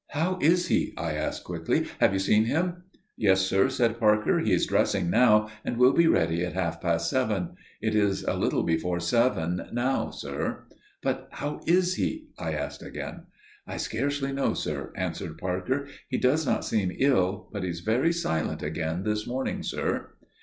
"How is he?" I asked quickly. "Have you seen him?" "Yes, sir," said Parker; "he is dressing now, and will be ready at half past seven. It is a little before seven now, sir." "But how is he?" I asked again. "I scarcely know, sir," answered Parker. "He does not seem ill, but he is very silent again this morning, sir."